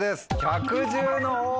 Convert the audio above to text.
「百獣の王」。